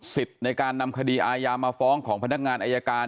ในการนำคดีอายามาฟ้องของพนักงานอายการ